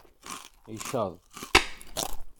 Icad!